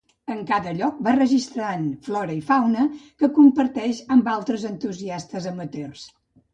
En cada lloc va registrant flora o fauna, que comparteix amb altres entusiastes amateurs.